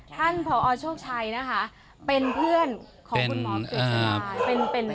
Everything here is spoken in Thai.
ท่านพอโชคชัยนะคะเป็นเพื่อนของคุณหมอกฤษฎาเป็นเป็นเป็น